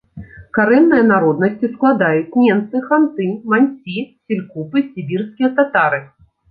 Карэнныя народнасці складаюць ненцы, ханты, мансі, селькупы, сібірскія татары.